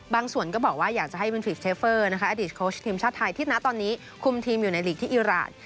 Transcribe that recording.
บางส่วนก็บอกว่าอยากจะให้เป็นปฏิเสฟเจอเฟอร์อดีตโค้ชทีมชาติไทยที่นะตอนนี้คุมทีมอยู่ในลีกที่อิราต